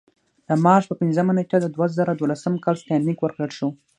د مارچ په پنځمه نېټه د دوه زره دولسم کال ستاینلیک ورکړل شو.